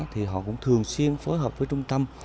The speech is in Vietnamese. thì họ cũng thường xuyên phối hợp với trung tâm